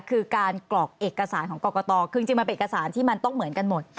คือการกรอกเอกสารของกรกตคือจริงมันเป็นเอกสารที่มันต้องเหมือนกันหมด